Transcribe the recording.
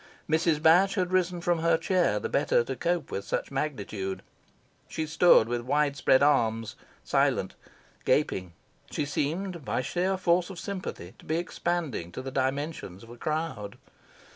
Mrs. Batch had risen from her chair, the better to cope with such magnitude. She stood with wide spread arms, silent, gaping. She seemed, by sheer force of sympathy, to be expanding to the dimensions of a crowd.